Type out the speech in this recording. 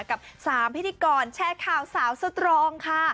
กับ๓พิธีกรแชร์ข่าวสาวสตรองค่ะ